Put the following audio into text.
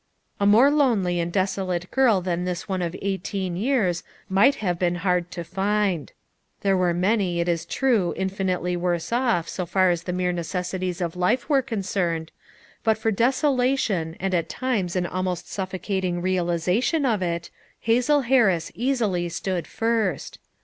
A more lonely and desolate girl than this one of eighteen years might have been hard to find. There are many it is true infinitely worse off so far as the mere necessities of life are concerned, but for desolation and at times an almost suffocating realization of it, Hazel Harris easily stood first.